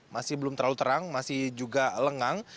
masih belum terlalu terang masih juga lengang